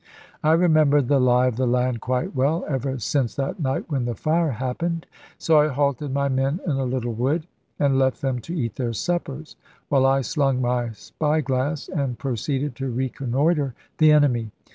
I remembered the lie of the land quite well, ever since that night when the fire happened; so I halted my men in a little wood, and left them to eat their suppers, while I slung my spy glass and proceeded to reconnoitre the enemy.